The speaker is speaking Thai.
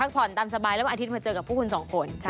ผ่อนตามสบายแล้ววันอาทิตย์มาเจอกับพวกคุณสองคน